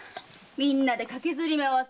みんなで駆けずり回ってそりゃあ